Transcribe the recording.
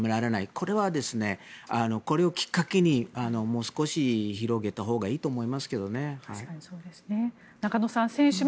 これはこれをきっかけにもう少し広げたほうがいいと思いますけどね。